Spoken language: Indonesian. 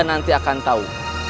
nanti akan tau